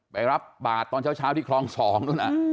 รับบาทตอนเช้าที่คลอง๒นู่น